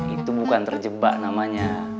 itu bukan terjebak namanya